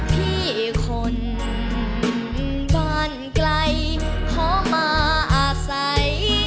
พี่คนบ้านไกลขอมาใส่